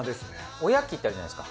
おやきってあるじゃないですか。